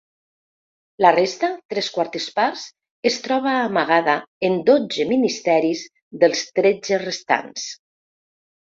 La resta, tres quartes parts, es troba amagada en dotze ministeris dels tretze restants.